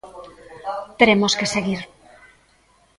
Teremos que seguir.